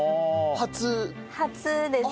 初です。